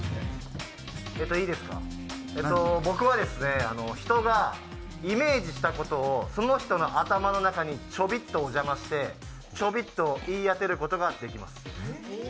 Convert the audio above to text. いいですか、僕は人がイメージしたことをその人の頭の中にちょびっとお邪魔して、ちょびっと言い当てることができます。